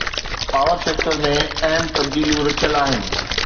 power sector ۾ اهم تبديليون رٿيل آهن